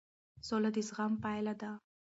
سوله د زغم پایله ده